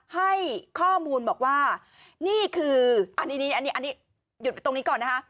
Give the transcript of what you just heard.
ให้ข้อมูลบอกว่านี่คืออันนี้อันนี้หยุดตรงนี้ก่อนนะคะ